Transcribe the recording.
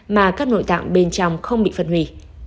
mà các nội tạng bên trong không bị phân hủy